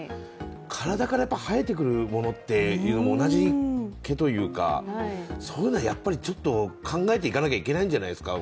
体から生えてくるものという、同じ毛というかそういうものはちゃんと考えていかなきゃいけないんじゃないですか。